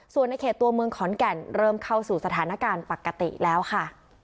ส่วนในเขตตัวเมืองขอนแก่นเริ่มเข้าสู่สถานการณ์ปกติแล้วค่ะ